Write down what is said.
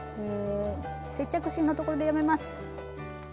接着芯のところでやめます。